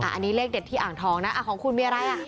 อันนี้เลขเด็ดที่อ่างทองนะของคุณมีอะไรอ่ะ